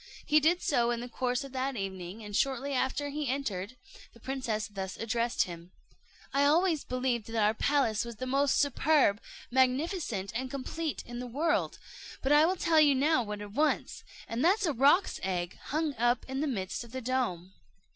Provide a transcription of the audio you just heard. He did so in the course of that evening, and shortly after he entered, the princess thus addressed him: "I always believed that our palace was the most superb, magnificent, and complete in the world: but I will tell you now what it wants, and that is a roc's egg hung up in the midst of the dome."